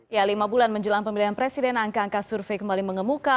ya lima bulan menjelang pemilihan presiden angka angka survei kembali mengemuka